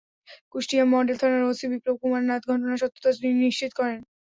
Kushtia model থানার OC Biplob Kumar Nath ঘটনার সত্যতা নিশ্চিত করেন।